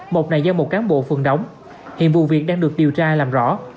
mọc này do một cán bộ phường đóng hiện vụ việc đang được điều tra làm rõ